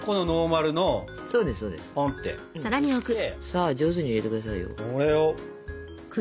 さあ上手に入れて下さいよ。